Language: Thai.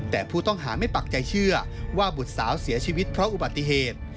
แต่ผู้ต้องหาไม่ปักใจเชื่อว่าบุตรสาวเสียชีวิตเพราะอุบัติเหตุ